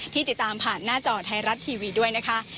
ติดตามผ่านหน้าจอไทยรัฐทีวีด้วยนะคะ